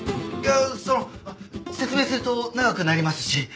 いやその説明すると長くなりますし。